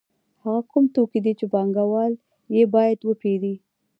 هغه کوم توکي دي چې پانګوال یې باید وپېري